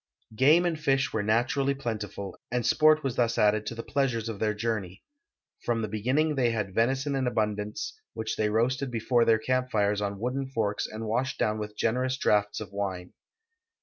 Game and fish were naturally plentiful, and sport Avas thus added t(> the ideasures of their journe}^ From the beginning they had venison in abundance, which they roasted before their camj) fires on wooden forks and washed down with generous draughts of wine.